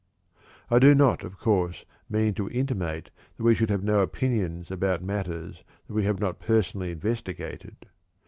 I do not, of course, mean to intimate that we should have no opinions about matters that we have not personally investigated.